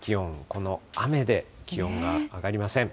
この雨で気温が上がりません。